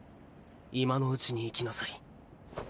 今のうちに行きなさい。